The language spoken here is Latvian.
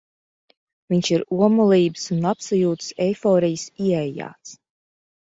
Viņš ir omulības un labsajūtas eiforijas ieaijāts.